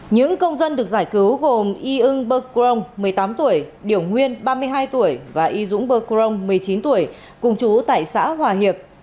những công dân được giải cứu gồm yung berkgrong một mươi tám tuổi điểu nguyên ba mươi hai tuổi và y dũng berkgrong một mươi chín tuổi cùng chú tại xã hòa hiệp